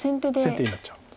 先手になっちゃう。